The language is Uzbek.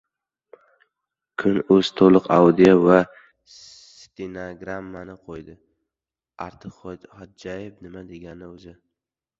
Kun.uz to‘liq audio va stenagrammani qo‘ydi: Artiqxodjaev nima degandi o‘zi?